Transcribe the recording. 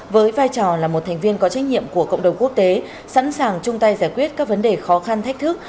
với vai trò là một thành viên có trách nhiệm của cộng đồng quốc tế sẵn sàng chung tay giải quyết các vấn đề khó khăn thách thức